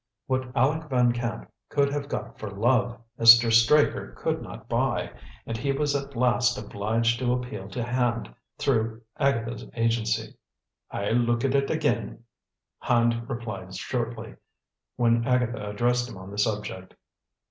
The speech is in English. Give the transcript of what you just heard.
What Aleck Van Camp could have got for love, Mr. Straker could not buy; and he was at last obliged to appeal to Hand through Agatha's agency. "I'll look at it again," Hand replied shortly, when Agatha addressed him on the subject.